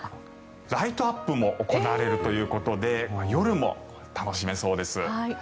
ライトアップも行われるということで夜も楽しめそうです。